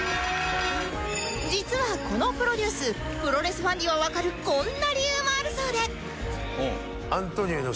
実はこのプロデュースプロレスファンにはわかるこんな理由もあるそうで